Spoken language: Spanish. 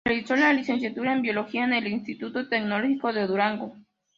Realizó la licenciatura en Biología en el Instituto Tecnológico de Durango.